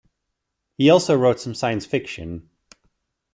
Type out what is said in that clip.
He also wrote some science fiction.